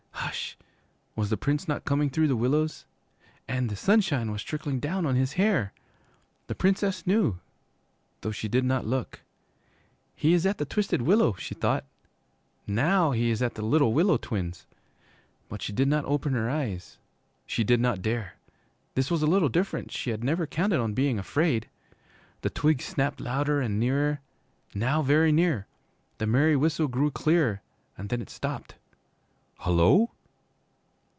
Hush! Was the Prince not coming through the willows? And the sunshine was trickling down on his hair! The Princess knew, though she did not look. 'He is at the Twisted Willow,' she thought. 'Now he is at the Little Willow Twins.' But she did not open her eyes. She did not dare. This was a little different, she had never counted on being afraid. The twigs snapped louder and nearer now very near. The merry whistle grew clearer, and then it stopped. 'Hullo!'